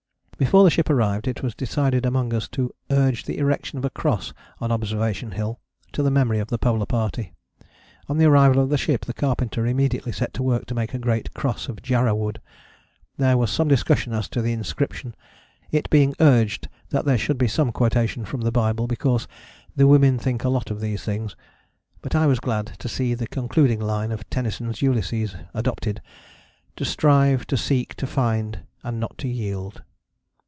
" Before the ship arrived it was decided among us to urge the erection of a cross on Observation Hill to the memory of the Polar Party. On the arrival of the ship the carpenter immediately set to work to make a great cross of jarrah wood. There was some discussion as to the inscription, it being urged that there should be some quotation from the Bible because "the women think a lot of these things." But I was glad to see the concluding line of Tennyson's "Ulysses" adopted: "To strive, to seek, to find, and not to yield."